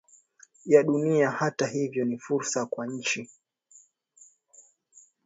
ya dunia Hata hivyo ni fursa kwa nchi